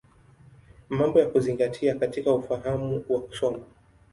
Mambo ya Kuzingatia katika Ufahamu wa Kusoma.